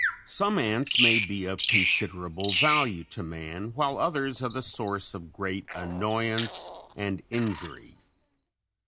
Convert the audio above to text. ] Some ants may be of considerable value to man while others are the source of great annoyance and injury.